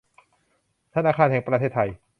ธนาคารแห่งประเทศไทย